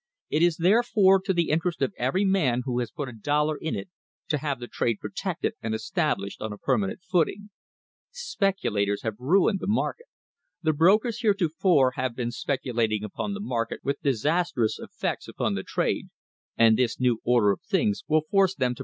It is therefore to the interest of every man who has put a dollar in it to have the trade protected and established on a permanent footing. Speculators have ruined the market. The brokers heretofore have been speculating upon the market with disastrous effects upon the trade, and this new order of things will force them to pursue J * Mr. Rogers is mistaken here.